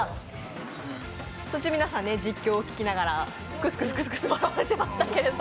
途中皆さん、実況を聞きながらクスクス笑っていましたけど。